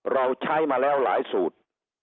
เราใช้มาแล้วหลายสูตร